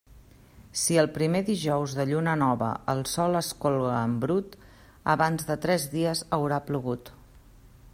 Si el primer dijous de lluna nova el sol es colga en brut, abans de tres dies haurà plogut.